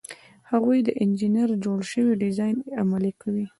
هغوی د انجینر جوړ شوی ډیزاین عملي کوي.